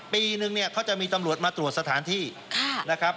ปีนึงเนี่ยเขาจะมีตำรวจมาตรวจสถานที่นะครับ